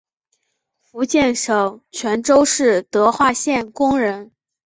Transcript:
福建省泉州市德化县工人。